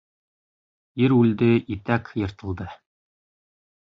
Ир үлде итәк йыртылды.